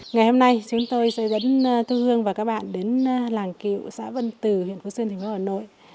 ngày hôm nay chúng tôi sẽ vẫn thu hương và các bạn đến làng cựu xã vân từ huyện phú xuyên thành phố hà nội